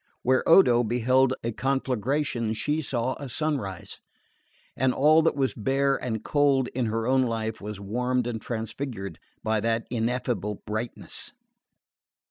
Where Odo beheld a conflagration she saw a sunrise; and all that was bare and cold in her own life was warmed and transfigured by that ineffable brightness.